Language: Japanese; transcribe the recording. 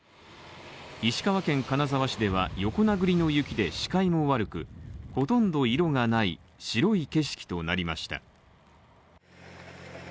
石川県金沢市では横殴りの雪で視界も悪く、ほとんど色がない白い景色となりました。